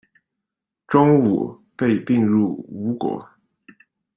钟吾被并入吴国。